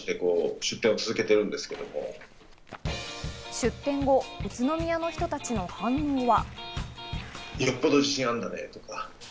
出店後、宇都宮の人たちの反応は。